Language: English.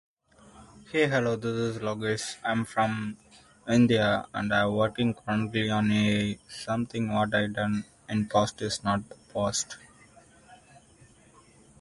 The reservoir was constructed behind the Cowherd's inn.